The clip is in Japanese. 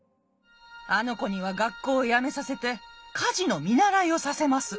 あの子には学校をやめさせて家事の見習いをさせます。